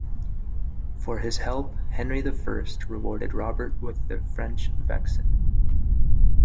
For his help Henry the First rewarded Robert with the French Vexin.